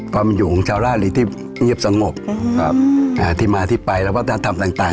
ความอยู่ของชาวราชหรือที่เงียบสงบครับอ่าที่มาที่ไปแล้ววัฒนธรรมต่างต่าง